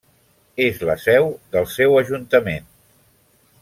És la seu del seu ajuntament.